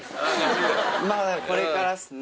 まだこれからっすね。